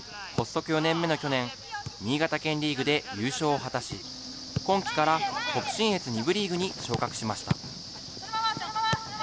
発足４年目の去年、新潟県リーグで優勝を果たし、今季から北信越２部リーグに昇格しました。